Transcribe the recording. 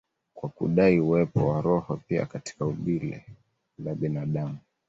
kwa kudai uwepo wa roho pia katika umbile la binadamu.